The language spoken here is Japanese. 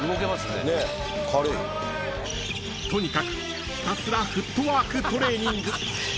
［とにかくひたすらフットワークトレーニング］